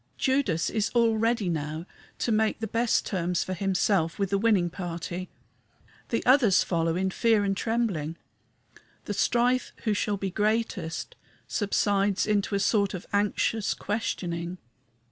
Judas is all ready now to make the best terms for himself with the winning party. The others follow in fear and trembling. The strife who shall be greatest subsides into a sort of anxious questioning.